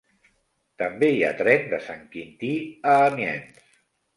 També hi ha tren de Sant Quintí a Amiens.